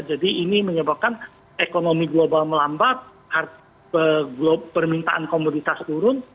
jadi ini menyebabkan ekonomi global melambat permintaan komoditas turun